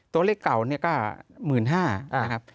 ตัวเลขเก่าเนี่ยก็๑๕๐๐นะครับ